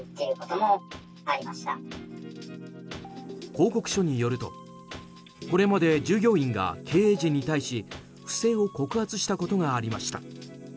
報告書によると、これまで従業員が経営陣に対し不正を告発したことがありました。